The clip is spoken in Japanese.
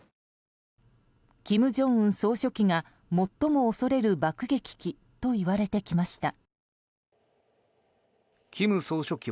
金正恩総書記が最も恐れる爆撃機といわれてきました。